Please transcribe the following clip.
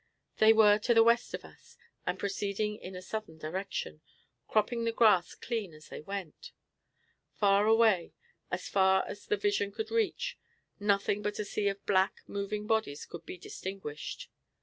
They were to the west of us, and proceeding in a southern direction, cropping the grass clean as they went. Far away, as far as the vision could reach, nothing but a sea of black moving bodies could be distinguished.